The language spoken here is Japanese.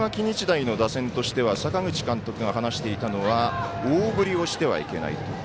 日大の打線としては阪口監督が話していたのは大振りをしてはいけないと。